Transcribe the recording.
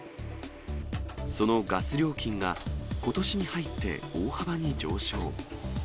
そのガス料金がことしに入って大幅に上昇。